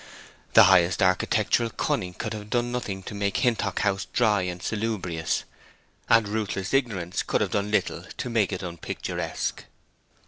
The highest architectural cunning could have done nothing to make Hintock House dry and salubrious; and ruthless ignorance could have done little to make it unpicturesque.